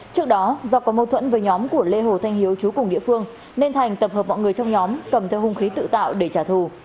trước đó do có mâu thuẫn với nhóm của lê hồ thanh hiếu chú cùng địa phương nên thành tập hợp mọi người trong nhóm cầm theo hung khí tự tạo để trả thù